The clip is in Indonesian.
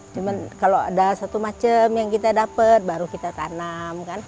cuma kalau ada satu macam yang kita dapat baru kita tanam